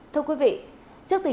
thưa quý vị